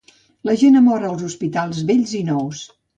La gent ha mort als hospitals vells i nous.